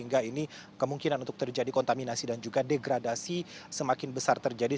dan untuk terjadi kontaminasi dan juga degradasi semakin besar terjadi